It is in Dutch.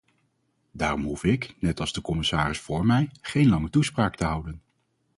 Daarom hoef ik, net als de commissaris voor mij, geen lange toespraak te houden.